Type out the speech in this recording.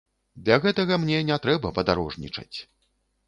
Для гэтага мне не трэба падарожнічаць.